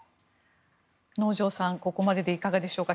能條さん、ここまででいかがでしょうか。